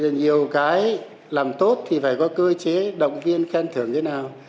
nhiều cái làm tốt thì phải có cơ chế động viên khen thưởng thế nào